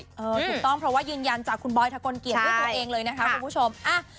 ถูกต้องเพราะว่ายืนยันจากคุณบอยทะกลเกียจด้วยตัวเองเลยนะคะคุณผู้ชม